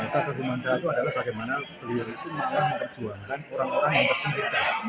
tak keguman salah itu adalah bagaimana beliau itu malah memperjuangkan orang orang yang tersendirian